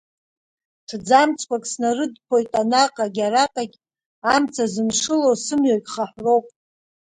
Ҭӡамцқәак снарыдԥоит анаҟагь араҟагь, амца зыншыло сымҩагь хаҳәроуп.